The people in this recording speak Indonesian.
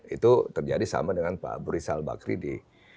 itu terjadi sama dengan pak buri salbakri di